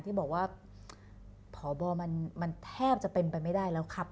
ที่บอกว่าพบมันแทบจะเป็นไปไม่ได้แล้วครับ